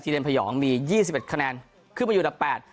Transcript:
เด็นพยองมียี่สิบเอ็ดคะแนนขึ้นมาอยู่อันดับแปด